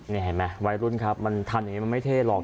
นี่เห็นไหมวัยรุ่นครับมันทันอย่างนี้มันไม่เท่หรอก